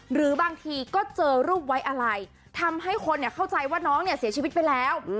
หรือบางทีก็เจอรูปไว้อะไรทำให้คนเข้าใจว่าน้องเนี่ยเสียชีวิตไปแล้ว